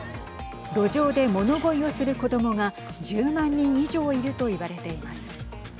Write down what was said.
路上で物乞いをする子どもが１０万人以上いるといわれています。